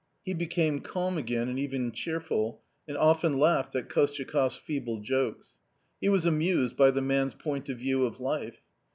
He became calm again and even cheerful, and often laughed at KostyakofFs feeble jokes. He was amused by the man's point of view of life.